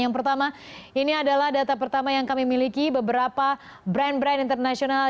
yang pertama ini adalah data pertama yang kami miliki beberapa brand brand internasional